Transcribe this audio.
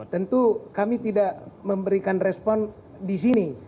tentu kami tidak memberikan respon di sini